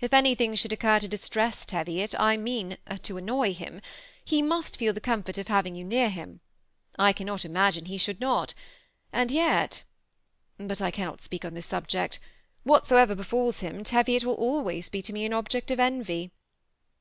If anything should occur to distress Teviot, I mean to amooy hin^ be mutt feet the comfort of havii^ you near 286 THE SEBO ATTAGHED COUPLE. him. I cannot imagine he should not, and jet ^ But I cannot speak on this subject. Whatsoever befidls him, Teviot will always be to me an object of envy.